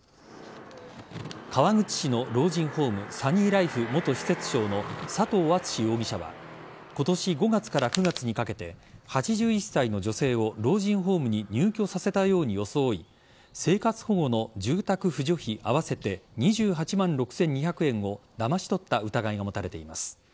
川口市の老人ホームサニーライフ元施設長の佐藤篤容疑者は今年５月から９月にかけて８１歳の女性を老人ホームに入居させたように装い生活保護の住宅扶助費合わせて２８万６２００円をだまし取った疑いが持たれています。